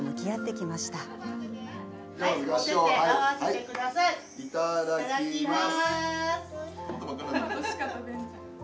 いただきます！